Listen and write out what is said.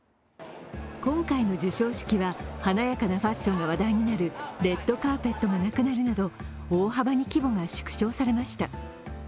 今回の授賞式は華やかなファッションが話題になるレッドカーペットがなくなるなど大幅に規模が縮小されました。